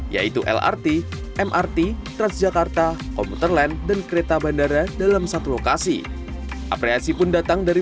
yaitu lrt mrt transjakarta komputerland dan kereta bandara dalam satu lokasi apresi pun datang dari